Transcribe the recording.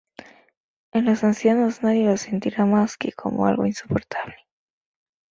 En los ancianos nadie lo sentirá más que como algo insoportable".